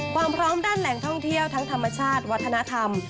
พร้อมด้านแหล่งท่องเที่ยวทั้งธรรมชาติวัฒนธรรม